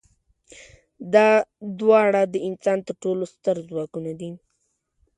دا دواړه د انسان تر ټولو ستر ځواکونه دي.